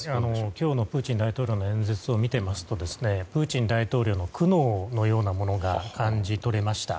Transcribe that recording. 今日のプーチン大統領の演説を見ていますとプーチン大統領の苦悩のようなものが感じ取れました。